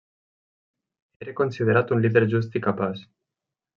Era considerat un líder just i capaç.